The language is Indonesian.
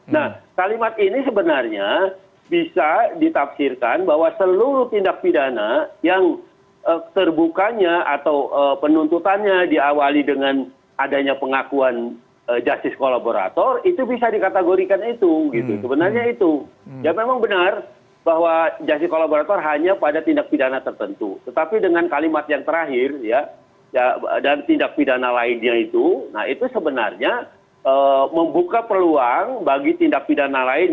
nah kalimat ini sebenarnya bisa ditafsirkan bahwa seluruh tindak pidana yang terbukanya atau penuntutannya diawali dengan adanya pengakuan